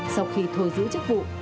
sau khi thôi giữ chức vụ